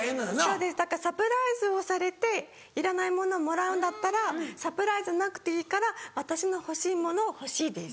そうですだからサプライズをされていらないものもらうんだったらサプライズなくていいから私の欲しいものを欲しいです。